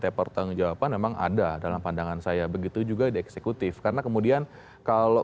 terima tanggung jawaban memang ada dalam pandangan saya begitu juga di eksekutif karena kemudian kalau